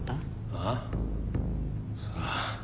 あっ？さあ。